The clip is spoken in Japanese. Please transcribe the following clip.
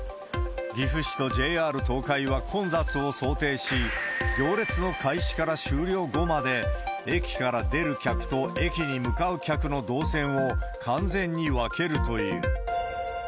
岐阜市とＪＲ東海は混雑を想定し、行列の開始から終了後まで、駅から出る客と駅に向かう客の動線を完全に分けるという。